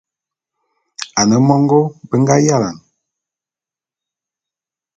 Ane mongô be nga yalane.